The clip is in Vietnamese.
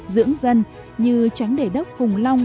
dưỡng dân như tránh để đất hùng long